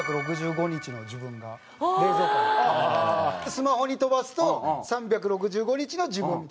スマホに飛ばすと３６５日の自分。